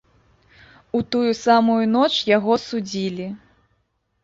У тую самую ноч яго судзілі.